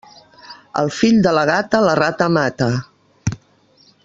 El fill de la gata, la rata mata.